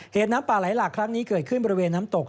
น้ำป่าไหลหลากครั้งนี้เกิดขึ้นบริเวณน้ำตก